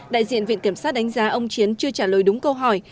đại diện viện kiểm sát đánh giá ông chiến chưa trả lời đúng câu hỏi